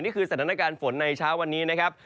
นี่คือสถานการณ์ฝนในเช้าวันนี้นะครับ